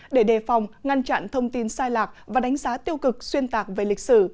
để đề phòng ngăn chặn thông tin sai lạc và đánh giá tiêu cực xuyên tạc về lịch sử